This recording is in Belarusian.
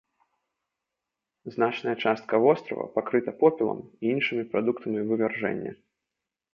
Значная частка вострава пакрыта попелам і іншымі прадуктамі вывяржэння.